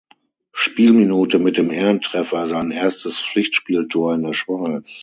Spielminute mit dem Ehrentreffer sein erstes Pflichtspieltor in der Schweiz.